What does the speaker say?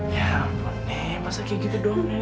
ya ampun nek masa kayak gitu dong nek